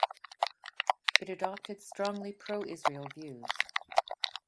It adopted strongly pro-Israel views.